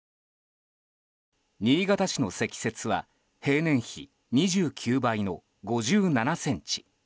新潟市の積雪は平年比２９倍の５７ｃｍ。